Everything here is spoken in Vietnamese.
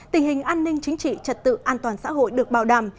tình hình an ninh chính trị trật tự an toàn xã hội được bảo đảm